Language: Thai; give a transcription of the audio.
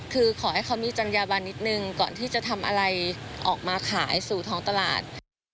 คือขอให้เขามีจัญญาบันนิดนึงก่อนที่จะทำอะไรออกมาขายสู่ท้องตลาด